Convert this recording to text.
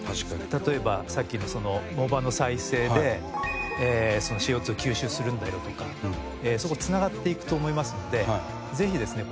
例えばさっきの藻場の再生でＣＯ２を吸収するんだよとかそこ繋がっていくと思いますのでぜひですね